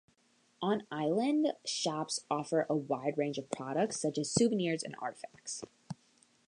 On-island shops offer a wide range of products, such as souvenirs and artifacts.